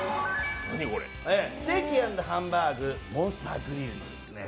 ステーキ＆ハンバーグモンスターグリルですね。